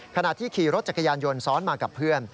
ขณะที่ขี่รถจักรยานยนต์ซ้อนมากับเพื่อน